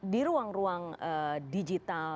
di ruang ruang digital